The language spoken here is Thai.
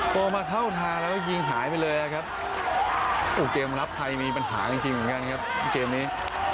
โปรมาเข้าทางแล้วยิงหายไปเลยครับอุ้เกมรับไทยมีปัญหาจริงจริงกันครับเกมนี้